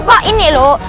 pak ini loh